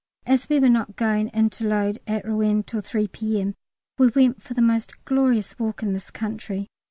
As we were not going in to load at Rouen till 3 P.M., we went for the most glorious walk in this country.